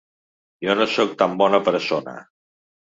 Jo no sóc tan bona persona.